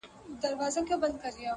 ځيني يې سخت واقعيت بولي ډېر,